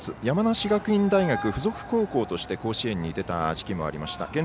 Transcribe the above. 山梨学院大学付属高校として甲子園に出た時期もありました。